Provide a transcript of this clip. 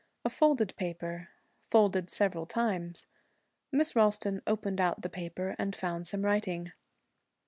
A folded paper. Folded several times. Miss Ralston opened out the paper and found some writing.